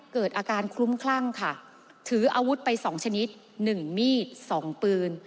เกิดอาการคลุ้มคลั่งค่ะถืออาวุธไปสองชนิดหนึ่งมีดสองปืน